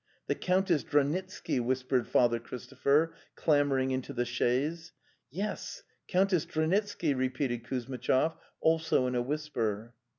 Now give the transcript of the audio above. "The Countess Dranitsky," whispered Father Christopher, clambering into the chaise. "Yes, Countess Dranitsky,'' repeated Kuz mitchov, also in a whisper.